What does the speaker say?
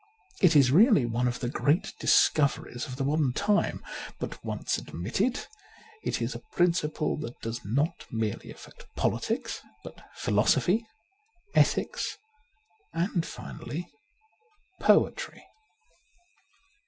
It is really one of the great discoveries of the modern time ; but once admitted, it is a principle that does not merely affect politics, but philosophy, ethics, and finally, poetry.